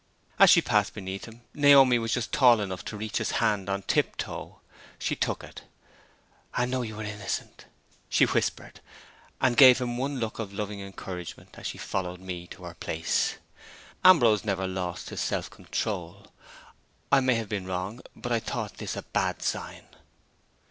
As she passed beneath him, Naomi was just tall enough to reach his hand on tiptoe. She took it. "I know you are innocent," she whispered, and gave him one look of loving encouragement as she followed me to her place. Ambrose never lost his self control. I may have been wrong; but I thought this a bad sign.